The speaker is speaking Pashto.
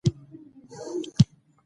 کوربه که صادق وي، مېلمه ارام وي.